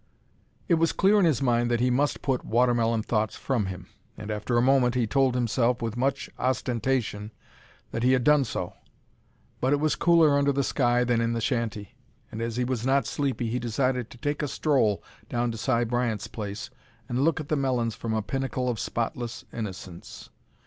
It was clear in his mind that he must put watermelon thoughts from him, and after a moment he told himself, with much ostentation, that he had done so. But it was cooler under the sky than in the shanty, and as he was not sleepy, he decided to take a stroll down to Si Bryant's place and look at the melons from a pinnacle of spotless innocence.